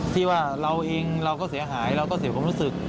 ที่ว่าเราเองเราก็เสียหายเราก็เสียความรู้สึก